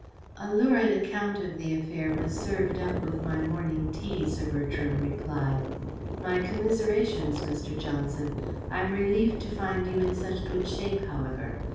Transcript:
"A lurid account of the affair was served up with my morning tea," Sir Bertram replied. "My commiserations, Mr. Johnson. I am relieved to find you in such good shape, however.